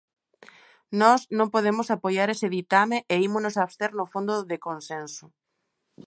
Nós non podemos apoiar ese ditame e ímonos abster no fondo de consenso.